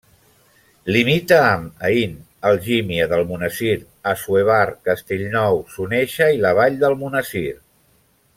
Limita amb Aín, Algímia d'Almonesir, Assuévar, Castellnou, Soneixa i La Vall d'Almonesir.